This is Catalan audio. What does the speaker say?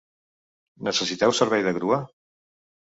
Necessiteu servei de grua?